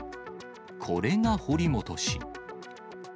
これが堀本氏。